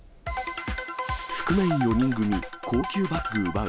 覆面４人組高級バッグ奪う。